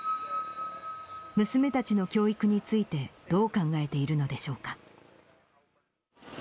娘たちの教育について、どう考えているのでしょうか。